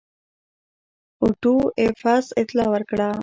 اوټو ایفز اطلاع ورکړه.